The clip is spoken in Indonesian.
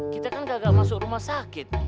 kita kan gagal masuk rumah sakit